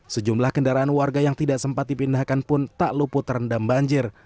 sejumlah kendaraan warga yang tidak sempat dipindahkan pun tak luput terendam banjir